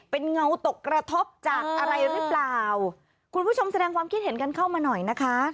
เป็นเงาตกกระทบจากอะไรหรือเปล่าคุณผู้ชมแสดงความคิดเห็นกันเข้ามาหน่อยนะคะ